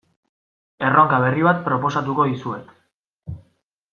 Erronka berri bat proposatuko dizuet.